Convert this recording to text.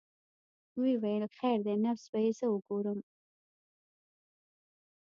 ويې ويل خير دى نبض به يې زه وګورم.